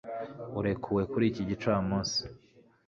Urekuwe kuri iki gicamunsi